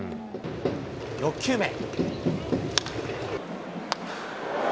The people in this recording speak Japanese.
６球目。